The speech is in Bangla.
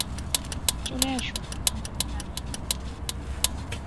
চলে আসো, আমি তোমাকে নামিয়ে দেই?